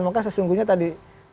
maka sesungguhnya tadi